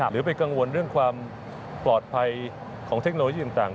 หรือไปกังวลเรื่องความปลอดภัยของเทคโนโลยีต่าง